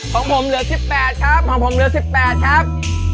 ของผมเหลือ๑๘ครับของผมเหลือ๑๘ครับ